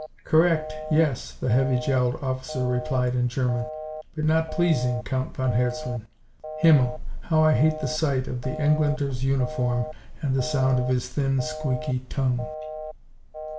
"Correct, yes," the heavy jowled officer replied in German, "but not pleasing, Count von Herzmann. Himmel! How I hate the sight of the Englander's uniform and the sound of his thin, squeaky tongue.